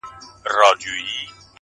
ما د سمسوره باغه واخیسته لاسونه؛